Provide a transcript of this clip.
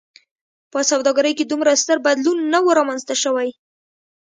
په سوداګرۍ کې دومره ستر بدلون نه و رامنځته شوی.